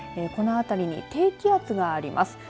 このあたりに低気圧があります。